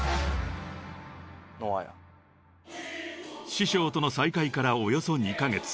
［師匠との再会からおよそ２カ月］